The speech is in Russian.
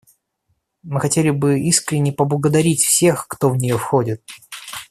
Мы хотели бы искренне поблагодарить всех, кто в нее входит.